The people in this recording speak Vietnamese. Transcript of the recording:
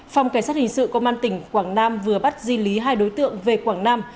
phòng cảnh sát hình sự công an tỉnh quảng nam vừa bắt di lý hai đối tượng về quảng nam